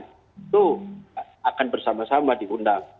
itu akan bersama sama diundang